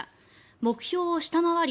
目標を下回り